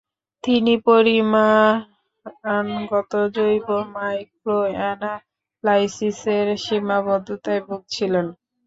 তিনি পরিমাণগত জৈব মাইক্রোঅ্যানালাইসিসের সীমাবদ্ধতায় ভুগছিলেন।